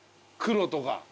黒とか。